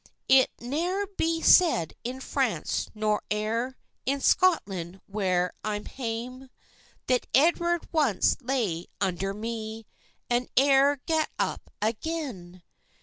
"It's ne'er be said in France, nor e'er In Scotland, when I'm hame, That Edward once lay under me, And e'er gat up again!"